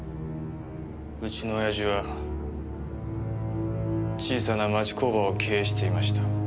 うちの親父は小さな町工場を経営していました。